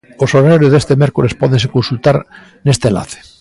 Os horarios deste mércores pódense consultar neste enlace.